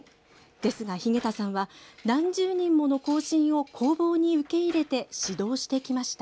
ですが、日下田さんは何十人もの後進を工房に受け入れて指導してきました。